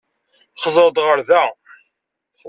Xeẓẓeṛ-d ar da!